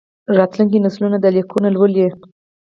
راتلونکي نسلونه دا لیکونه لولي.